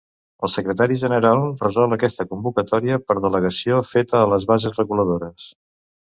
El secretari general resol aquesta convocatòria per delegació feta a les bases reguladores.